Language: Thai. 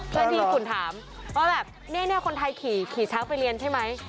เพื่อที่คุณถามว่าแบบเนี่ยคนไทยขี่ช้างไปเรียนใช่ไหม